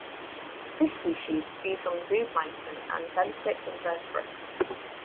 This species feeds on zooplankton and benthic invertebrates.